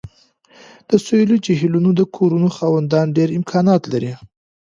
د سویلي جهیلونو د کورونو خاوندان ډیر امکانات لري